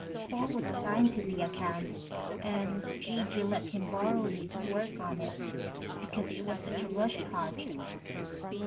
Paul was assigned to the account, and G.G. let him borrow me to work on it, because it was such a rush project.